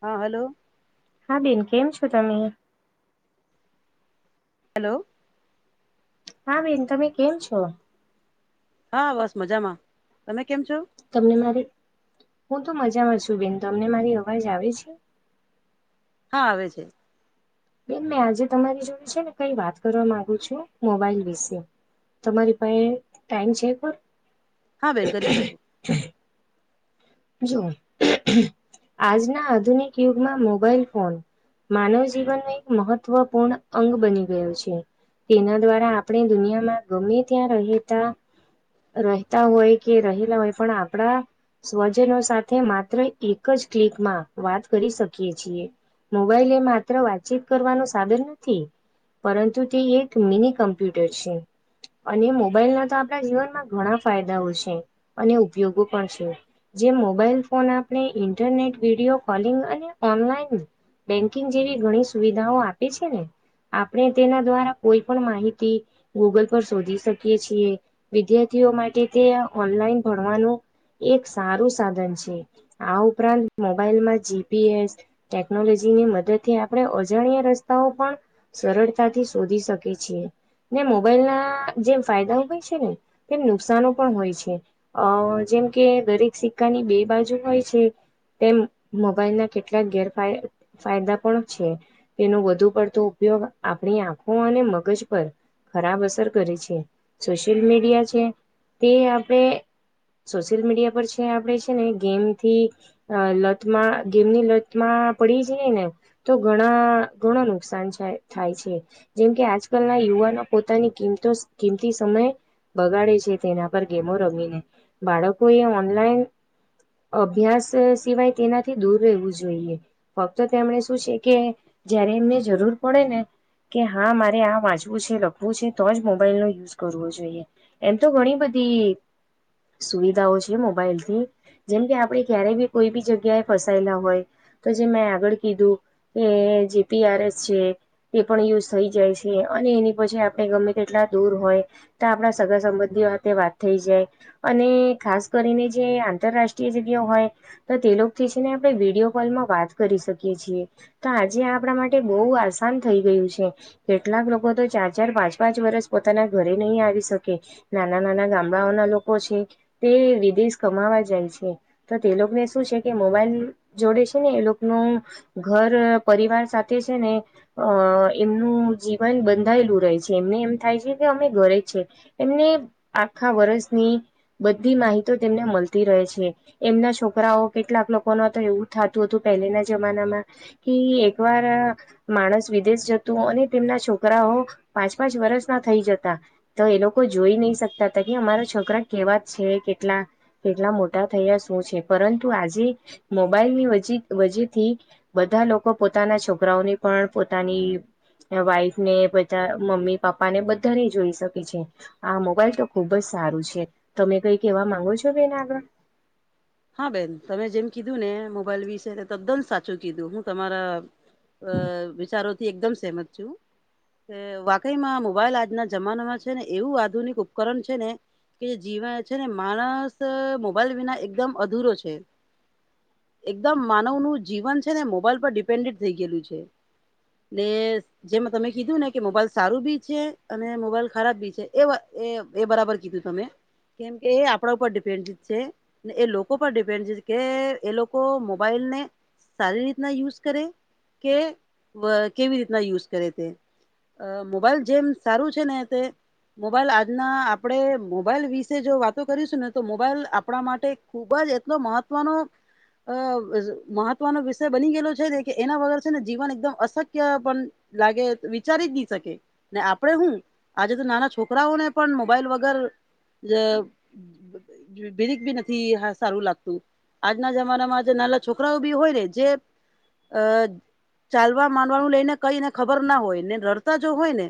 હા, હલો. હા, બેન કેમ છો તમે? હલો. હા, બેન તમે કેમ છો? હા, બસ મજામાં. તમે કેમ છો? તમને મારી, હું તો મજામાં છું બેન તમને મારી અવાજ આવે છે? હા, આવે છે. બેન મેં આજે તમારી જોડ છે ને કઈ વાત કરવા માગુ છું મોબાઈલ વિશે. તમારી પાહે ટાઈમ છે પર? હા, બેન કરી શકો. જો આજના આધુનિક યુગમાં મોબાઈલ ફોન માનવ જીવન ને એક મહત્વપૂર્ણ અંગ બની ગયો છે. તેના દ્વારા આપડે દુનિયામાં ગમે ત્યાં રહીએ તા રહેતા હોય કે રહેલા હોય પણ આપડા સ્વજનો સાથે માત્ર એક જ ક્લિક માં વાત કરી શકીએ છીએ. મોબાઈલ એ માત્ર વાતચીત કરવાનું સાધન નથી પરંતુ તે એક મિની કમ્પ્યુટર છે. અને મોબાઈલ ના તો આપડા જીવનમાં ઘણા ફાયદાઓ છે અને ઉપયોગો પણ છે. જે મોબાઈલ ફોન આપણે ઇન્ટરનેટ વિડીયો કોલિંગ અને ઓનલાઈન બેંકિંગ જેવી ઘણી સુવિધાઓ આપે છે ને આપણે તેના દ્વારા કોઈ પણ માહિતી ગૂગલ પર શોધી શકીએ છીએ. વિદ્યાર્થીઓ માટે તે ઓનલાઈન ભણવાનું એ એક સારું સાધન છે. આ ઉપરાંત મોબાઈલમાં જી પી એસ ટેકનોલોજી ની મદદ થી આપડે અજાણ્યા રસ્તાઓ પણ સરળતાથી શોધી શકે છીએ. ને મોબાઈલ ના જેમ ફાયદા હોય છે ને તેમ નુકસાનો પણ હોય છે. અહ જેમ કે દરેક સિક્કાની બે બાજુ હોય છે તેમ મોબાઈલ ના કેટલાક ગેરફાય ફાયદા પણ છે. તેનો વધુ પડતો ઉપયોગ આપણી આંખો અને મગજ પર ખરાબ અસર કરે છે. સોશિયલ મીડિયા છે તે આપે સોશિયલ મીડિયા પર છે આપડે છે ને ગેમથી અહ લતમાં ગેમની લત માં પડી જઈએ ને તો ઘણા ધણો નુકસાન ચાએ થાય છે. જેમકે આજકાલના યુવાનો પોતાની કિંમતો કિંમતી સમયે બગાડે છે તેના પર ગેમો રમીને. બાળકો એ ઓનલાઈન અભ્યાસ અહ સિવાય તેનાથી દૂર રહેવું જોઈએ. ફક્ત તેમણે શું છે કે જયારે એમને જરૂર પડે ને કે હા મારે આ વાંચવું છે લખવું છે તો જ મોબાઈલ નો યુઝ કરવો જોઈએ. એમ તો ઘણી બધી સુવિધાઓ છે મોબાઈલ થી. જેમ કે આપે ક્યારે બી કોઈ બી જગ્યા એ ફસાયેલા હોય તો જે મેં આગળ કીધું કે જે પી આર એસ છે તે પણ યુઝ થઈ જાય છે અને એની પછી આપણે ગમે તેટલા દૂર હોય તો આપણા સગા સંબંધીઓ સાથે વાત થઈ જાય અને ખાસ કરીને જે આંતરરાષ્ટ્રીય જગ્યા હોય તો તે લોકો જે છે ને આપણે વિડીયો કોલમાં વાત કરી શકીએ છીએ તો આજે આપણા માટે બહુ આસાન થઈ ગયું છે કેટલાક લોકો તો ચાર ચાર પાંચ પાંચ વર્ષ પોતાના ઘરે નહીં આવી શકે નાના નાના ગામડાઓના લોકો છે તે વિદેશ કમાવા જાય છે તો તે લોકોને શું છે કે મોબાઈલ જોડે છે ને એ લોકોનો ઘર પરિવાર સાથે છે ને અ એમનું જીવન બંધાયેલું રહે છે એમને એમ થાય છે કે અમે ઘરે છે એમને આખા વર્ષની બધી માહિતી તેમને મળતી રહે છે એમના છોકરાઓ કેટલાક લોકોનો હતો એવું થતું હતું પહેલાના જમાનામાં ક એક વાર માણસ વિદેશ જતું અને તેમના છોકરાઓ પાંચ પાંચ વર્ષના થઈ જતા તો એ લોકો જોઈ નહી શકતા હતા કે અમારા છોકરા કેવા છે કેટલા કેટલા મોટા થયા શું છે પરંતુ આજે મોબાઈલ ની વજી વજેથી બધા લોકો પોતાના છોકરાઓની પણ પોતાની વાઈફ ને બધા મમ્મી પાપા ને બધાને જોઈ શકે છે આ મોબાઈલ તો ખુબ જ સારું છે તમે કઈ કેવા માંગો છો બેન આગળ હા બેન તમે જેમ કીધું ને મોબાઈલ વિશે તદ્દન સાચું કીધું હું તમારા અ વિચારોથી એકદમ સહેમત છું વાકઈમાં મોબાઈલ આજના જમાનામાં છે ને એવું આધુનિક ઉપકરણ છે ને કે જે જીવન છે ને માણસ મોબાઈલ વિના એકદમ અધૂરો છે એકદમ માનવનું જીવન છે ને મોબાઈલ પર ડિપેન્ડેન્ટ થઈ ગયેલું છે [unintelligible] જેમાં તમે કીધું ને કે મોબાઈલ સારું બી છે અને મોબાઈલ ખરાબ બી છે એ વા એ એ બરાબર કીધું તમે કેમ કે એ આપણા ઉપર ડિપેન્ડ છે ને એ લોકો ર ડિપેન્ડ કે એ લોકો મોબાઈલ ને સારી રીતના યુઝ કરે કે કેવી રીતના યુઝ કરે તે અ મોબાઈલ જેમ સારું છે ને તે મોબાઈલ આજના આપણે મોબાઈલ વિશે જો વાતો કરીશું ને તો મોબાઈલ આપણા માટે ખુબ જ એટલો મહત્વનો અ મહત્વનો વિષય બની ગયેલો છે ને કે એના વગર છે ને જીવન એકદમ અશક્ય પણ લાગે વિચારી જ નઈ શકે ને આપણેે હું આજે તો નાના છોકરાઓને પણ મોબાઈલ વગર [unintelligible] થી સારું લાગતું આજના જમાનામાં જે નાના છોકરાઓ બી હોય ને જે અ ચાલવા માનવાનું લઈને કઈને ખબર ના હોય ને રડતા જો હોય ને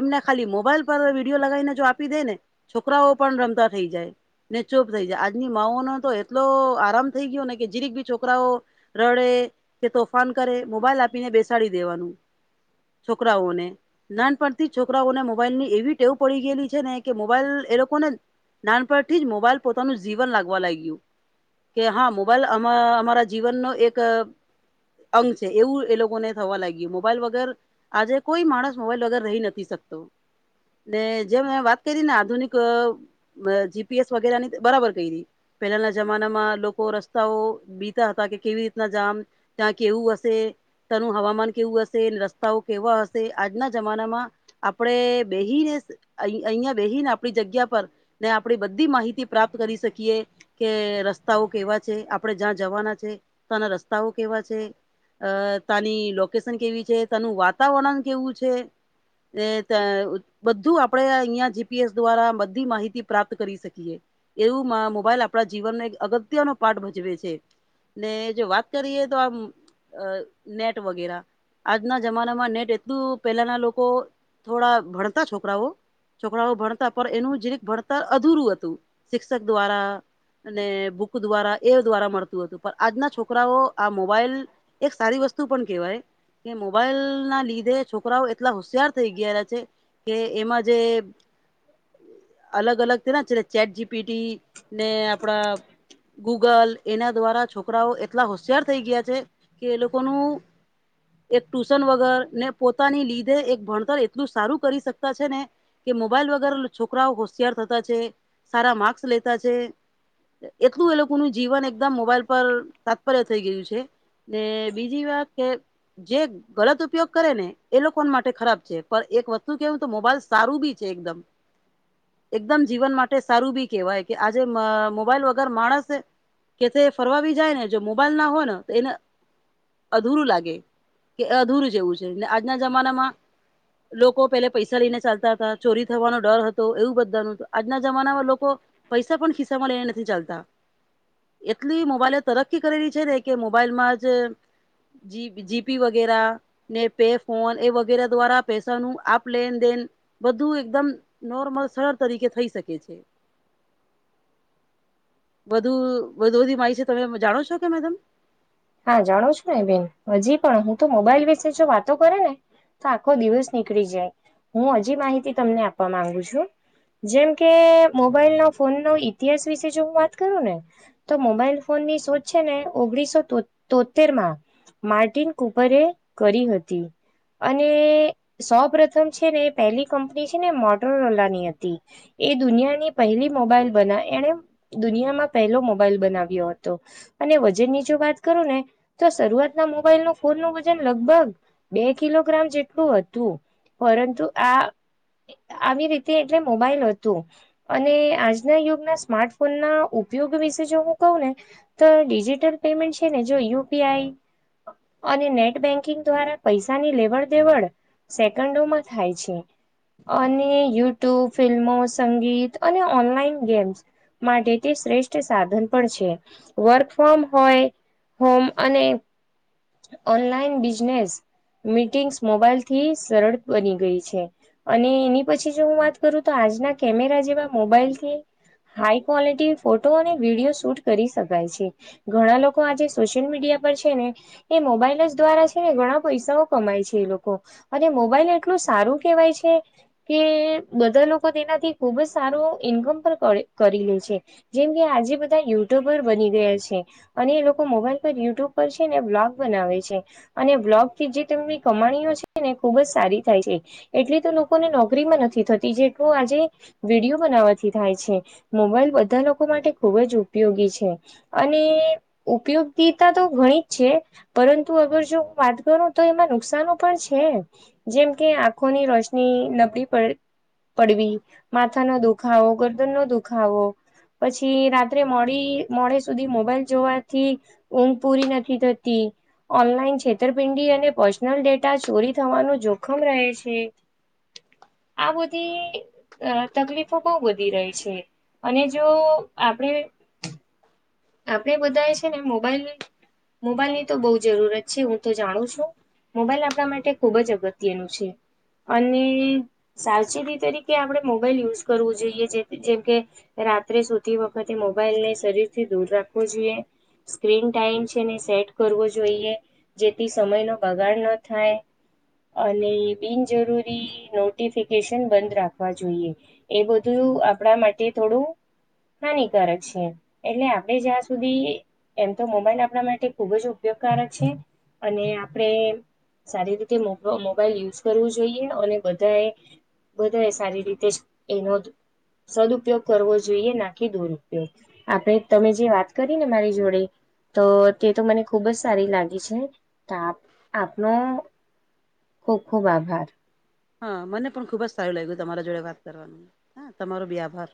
એમને ખાલી મોબાઈલ પર વિડીયો લગાવીને જો આપી દે ને છોકરાઓ પણ રમતા થઈ જાય ને ચોપ થઈ જાય આજની માઓ ન તો એટલો આરામ થઈ ગયો ને કે જીરીક બી છોકરાઓ રડે કે તોફાન કરે મોબાઈલ આપીને બેસાડી દેવાનું છોકરાઓને નાનપણ થી છોકરાઓને મોબાઈલ ની એવી ટેવ પડી ગયેલી છે ને કે મોબાઈલ એ લોકો ને નાનપણ થી જ મોબાઈલ પોતાનું જ જીવન લાગવા લાગ્યું કે હા મોબાઈલ અ અમારા જીવનનો એક અંગ છે એવું એ લોકોને થવા લાગ્યું મોબાઈલ વગર આજે કોઈ માણસ મોબાઈલ વગર રહી નથી શકતો ને જેમ મે વાત કરી ને આધુનિક જીપીએસ વગેરા ની બરાબર પહેલાના જમાનામાં લોકો રસ્તાઓ બીતા હતા કે કેવી રીતના જામ ત્યા કેવું અશે. તેનું હવામાન કેવું હશે? રસ્તાઓ કેવા હશે? આજના જમાનામાં આપડે બેહીને. અહિયાં વહીને, આપણી જગ્યા પર ને આપણી બધી માહિતી પ્રાપ્ત કરી શકીએ. કે રસ્તાઓ કેવા છે, આપણેે જ્યાં જવાના છે, ત્યાના રસ્તાઓ કેવા છે? અ તની લોકેશન કેવી છે? તેનું વાતાવરણ કેવું છે? એ તો. બધું આપડે અહિયાં જી. પી. એસ દ્વારા બધી માહિતી પ્રાપ્ત કરી શકીએ. એવું મોબાઈલ આપણા જીવનનો એક અગત્યનો પાર્ટ ભજવે છે. ને જો વાત કરીએ, તો આમ નેટ વગેરે. આજના જમાનામાં નેટ એટલું, પેલાના લોકો થોડા ભણતા છોકરાઓ. છોકરાઓ ભણતા પર એનું જેવી કે, ભણતર અધૂરું હતું, શિક્ષક દ્વારા. અને બુક દ્વારા એ દ્વારા મળતું હતું, પણ આજના છોકરાઓ આ મોબાઈલ એક સારી વસ્તુ પણ કેહેવાય. કે મોબાઈલ ના લીધે છોકરાઓ એટલા હોશિયાર થઇ ગયેલા છે. કે એમાં જે અલગ અલગ છે, ચેટ જી પી. ટી ને આપણા. ગૂગલ એના દ્વારા છોકરાઓ એટલા હોશિયાર થઈ ગયા છે, કે એ લોકોનું એક ટુશન વગર ને પોતાની લીધે એક ભણતર એટલું સારું કરી શકતા છે ને. કે મોબાઈલ વગર છોકરાઓ હોશિયાર થતા છે, સારા માર્ક્સ લેતા છે. એટલું એ લોકોનું જીવન એકદમ મોબાઈલ પર તાત્પર્ય થઈ ગયું છે. ને બીજી વાત કે જે ગલત ઉપયોગ કરે ને, એ લોકો માટે ખરાબ છે, પણ એક વસ્તુ કેવું તો મોબાઈલ સારું બી છે, એકદમ. હ. એકદમ, જીવન માટે સારું બી કેહેવાય કે, આજે મોબાઈલ વગર માણસ. કે તે ફરવા જાય ને, જો મોબાઈલ ના હોય ને, તો એને અધૂરું લાગે કે, અધૂરું જેવું છે, આજના જમાનામાં. લોકો પેલા પૈસા લઈને ચાલતા હતા, ચોરી થવાનો ડર હતો, એવું બધા ન આ ના જમાનામાં લોકો પૈસા પણ ખિસ્સા માં લઈને નથી ચાલતા. એટલી મોબાઈલે તરક્કી કરેલી છે ને, કે મોબાઈલમાં જ. જી, જી. પી વગેરા. ને પે-ફોન એ વગેરે દ્વારા પેસા નો આપ લે, દેન. બધું એકદમ નોર્મલ સરળ તરીકે થઈ શકે છે. વધુ વધુ બધી માહિતી છે, તમે જાણો છો કે મેડમ? હા, જાણો છું ને બેન, હજી પણ હું તો મોબાઈલ વિશે જો વાતો કરે ને. તો આખો દિવસ નીકળી જાય, હું હજી માહિતી તમને આપવા માંગુ છું. જેમ કે મોબાઈલ ના ફોન નો ઈતિહાસ વિશે જો હું વાત કરું ને. તો મોબાઈલ ફોન ની શોધ છે ને, ઓગણીસો. તોતેર માં માર્ટિન કુપરે કરી હતી. અને સૌ પ્રથમ છે ને, પહેલી કંપની છે ને, મોટરોલા ની હતી. એ દુનિયાની પહેલી મોબાઈલ બની, એણે દુનિયામાં પહેલો મોબાઈલ બનાવ્યો હતો. અને વજન ની જો વાત કરો ને, તો શરૂઆત ના મોબાઈલ ના ફોન નું વજન લગભગ બે કિલોગ્રામ જેટલું હતું, પરંતુ આ આવી રીતે એટલે મોબાઈલ હતું. અને આજના યુગના સ્માર્ટફોન ના ઉપયોગ વિશે જો હું કહું ને. તો ડિજિટલ પેમેન્ટ છે ને, જો યુ. પી. આઈ. અને નેટ બેન્કિંગ દ્વારા પૈસાની લેવડ-દેવડ. સેકન્ડો માં થાય છે. અને યુટ્યુબ, ફિલ્મો, સંગીત અને ઓનલાઈન ગેમ્સ. માટે તે શ્રેષ્ઠ સાધન પણ છે, વર્ક ફ્રોમ હોય. હોમ અને ઓનલાઈન બિઝનેસ મીટિંગ્સ મોબાઈલ થી સરળ બની ગઈ છે. અને એની પછી જો હું વાત કરું તો આજના કેમેરા જેવા મોબાઈલથી હાઈ ક્વોલિટી ફોટો અને વિડીિયો શૂટ કરી શકાય છે. ઘણા લોકો આજે સોશિયલ મીડિયા પર છે ને એ મોબાઈલ જ દ્વારા છે ને ઘણા પૈસાઓ કમાય છે એ લોકો અને મોબાઈલ એટલું સારું કેહેવાય છે. કે બધા લોકો તેનાથી ખુબ જ સારું ઈન્કમ પણ કરી લે છે. જેમ કે આજે બધા યુટ્યુબર બની ગયા છે અને એ લોકો મોબાઈલ પર યુટ્યુબ પર છે ને બ્લોગ બનાવે છે અને બ્લોગથી જે તની કમાણીઓ છે ને ખુબ જ સારી થાય છે. એટલી તો લોકોને નોકરીમાં નથી થતી જેટલું આજે વિડીિયો બનાવવાથી થાય છે મોબાઈલ બધા લોકો માટે ખુબ જ ઉપયોગી છે. અને ઉપયોગિતા તો ઘણી જ છે. પરંતુ અગર જો હું વાત કરું તો એમાં નુકસાનો પણ છે. જેમ કે આંખોની રોશની નબળી પડ પડવી માથા નો દુખાવો ગરદન નો દુખાવો પછી રાત્રે મોડી મોડે સુધી મોબાઈલ જોવાથી ઊંઘ પૂરી નથી થતી. ઓનલાઈન છેતરપિંડી અને પર્સનલ ડેટા ચોરી થવાનું જોખમ રહે છે. આ બધી અ તકલીફો બહ વધી રહી છે અને જો આપડે આપડે બધા છે ને મોબાઈલ મોબાઈલ ની તો બહુ જરૂરત છે હું તો જાણું છું. મોબાઈલ આપણા માટે ખૂબ જ અગત્યનું છે અને સાવચેતી તરીકે આપણે મોબાઈલ યુઝ કરવું જોઈએ જે જેમકે રાત્રે શોતી વખતે મોબાઈલ ને શરીર થી દૂર રાખવો જોઈએ સ્ક્રીન ટાઈમ છે ને સેટ કરવો જોઈએ. જેથી સમય નો બગાડ ન થાય. અને બિનજરૂરી નોટિફિકેશન બંધ રાખવા જોઈએ. એ બધું આપણા માટે થોડું હાનિકારક છે. એટલે આપણે જ્યાં સુધી એમ તો મોબાઈલ આપણા માટે ખુબ જ ઉપયોગકારક છે. અને આપડે સારી રીતે મો મોબાઈલ યુઝ કરવું જોઈએ અને બધાએ-' બધો એ સારી રીતે જ એનો જ સદઉપયોગ કરવો જોઈએ નાી દુરપયોગ આપણે તમે જે વાત કરી ને મારી જોડે તો તે તો મને ખુબ જ સારી લાગી છે તો આપનો ખૂબ ખૂબ આભાર. હા મને પણ ખુબ જ સારું લાગ્યું તમારા જોડે વાત કરવાનું હા તમારો બી આભાર